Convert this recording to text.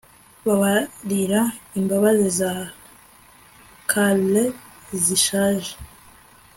Babarira imbabazi za carle zishaje